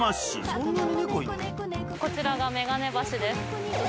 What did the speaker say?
こちらが眼鏡橋です。